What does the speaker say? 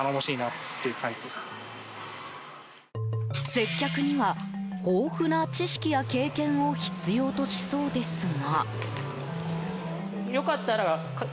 接客には豊富な知識や経験を必要としそうですが。